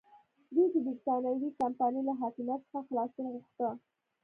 دوی د برېټانوي کمپنۍ له حاکمیت څخه خلاصون غوښته.